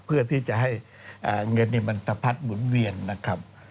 เพื่อที่จะให้เงินมันสะพัดหมุนเวียนนะครับ